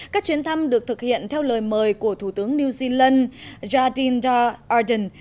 các chuyến thăm được thực hiện theo lời mời của thủ tướng new zealand jardine darden